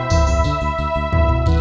masih di pasar